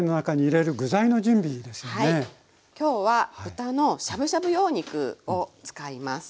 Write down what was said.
今日は豚のしゃぶしゃぶ用肉を使います。